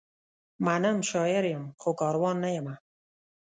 منم، شاعر یم؛ خو کاروان نه یمه